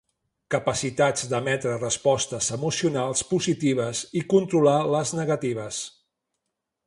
Capacitats d'emetre respostes emocionals positives i controlar les negatives.